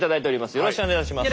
よろしくお願いします。